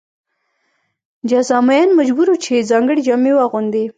جذامیان مجبور وو چې ځانګړې جامې واغوندي.